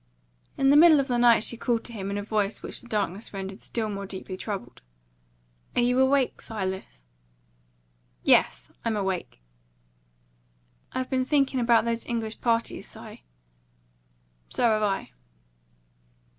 In the middle of the night she called to him, in a voice which the darkness rendered still more deeply troubled: "Are you awake, Silas?" "Yes; I'm awake." "I've been thinking about those English parties, Si " "So've I."